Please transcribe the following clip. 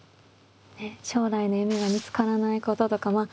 「将来の夢が見つからないこと」とか。